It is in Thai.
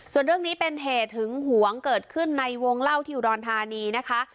ส่วนเรื่องนี้เป็นเหตุหึงหวงเกิดขึ้นในวงเล่าที่อุดรธานีนะคะ